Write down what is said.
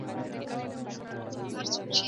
مشاهده تر خيالي فکر غوره ده.